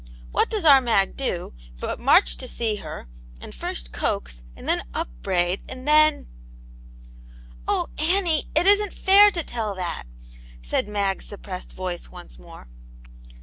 What does our Mag do, but march to see her, and first coax, and then upbraid, and then "" Oh, Annie! it isn't fair to tell that!" said Mag's suppressed voice once more.